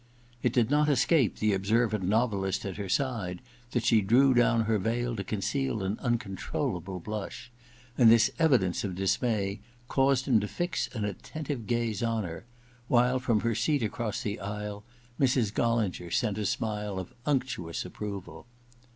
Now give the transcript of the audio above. It did not escape the observant novelist at her side that she drew down her veil to conceal an uncon trollable blush, and this evidence of dismay caused him to fix an attentive gaze on her, while from her seat across the aisle Mrs. GoUinger sent a smile of unctuous approval.